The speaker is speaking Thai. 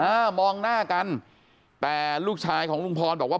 อ่ามองหน้ากันแต่ลูกชายของลุงพรบอกว่า